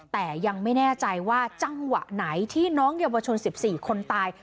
แต่ยังไม่แน่ใจว่าจังหวะไหนที่น้องเยาวชน๑๔คนตาย